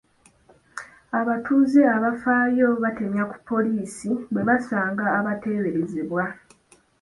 Abatuuze abafaayo batemya ku poliisi bwe basanga abateeberezebwa.